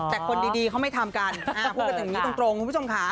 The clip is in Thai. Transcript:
แต่คนดีเขาไม่ทำกันพูดกันอย่างนี้ตรงคุณผู้ชมค่ะ